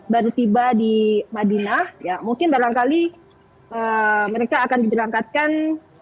baru tiba di madinah mungkin barangkali mereka akan diberangkatkan